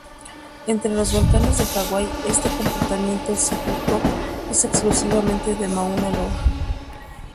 Entre los volcanes de Hawái este comportamiento cíclico es exclusivo de Mauna Loa.